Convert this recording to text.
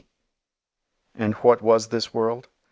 D. And what was this world?